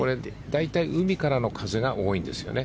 大体、海からの風が多いんですね。